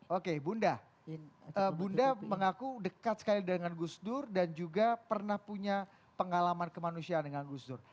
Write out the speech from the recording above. oke bunda bunda mengaku dekat sekali dengan gus dur dan juga pernah punya pengalaman kemanusiaan dengan gus dur